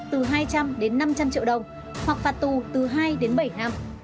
từ hai trăm linh đến năm trăm linh triệu đồng hoặc phạt tù từ hai đến bảy năm